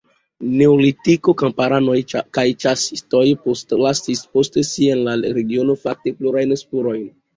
Neolitiko kamparanoj kaj ĉasistoj postlasis post si en la regiono fakte plurajn spurojn.